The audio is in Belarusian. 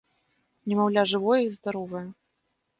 Немаўля жывое і здаровае.